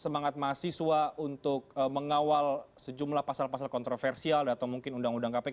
semangat mahasiswa untuk mengawal sejumlah pasal pasal kontroversial atau mungkin undang undang kpk